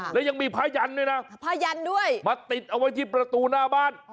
แล้วยังมีพระยันตร์ด้วยนะมาติดเอาไว้ที่ประตูหน้าบ้าน